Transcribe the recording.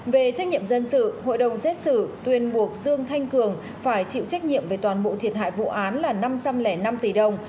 về trách nhiệm dân sự hội đồng xét xử tuyên buộc dương thanh cường phải chịu trách nhiệm về toàn bộ thiệt hại vụ án là năm trăm linh năm tỷ đồng